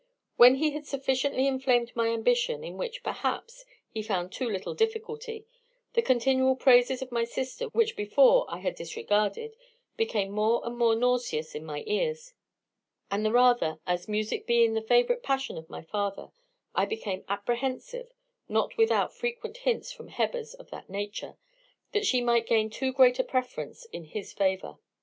"When he had sufficiently inflamed my ambition, in which, perhaps, he found too little difficulty, the continual praises of my sister, which before I had disregarded, became more and more nauseous in my ears; and the rather, as, music being the favourite passion of my father, I became apprehensive (not without frequent hints from Hebbers of that nature) that she might gain too great a preference in his favour.